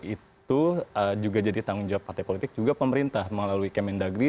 itu juga jadi tanggung jawab partai politik juga pemerintah melalui kemendagri